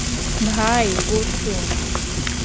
ভাই, বসুন।